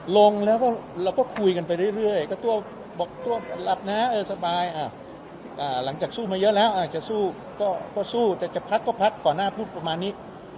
ลงแล้วก็เราก็คุยกันไปเรื่อยก็ตัวบอกตัวหลับนะสบายหลังจากสู้มาเยอะแล้วอาจจะสู้ก็สู้แต่จะพักก็พักก่อนหน้าพูดประมาณนี้